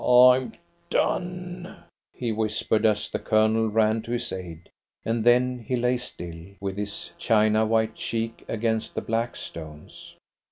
"I'm done!" he whispered, as the Colonel ran to his aid, and then he lay still, with his china white cheek against the black stones.